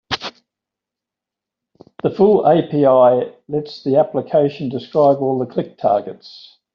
The full API lets the application describe all the click targets.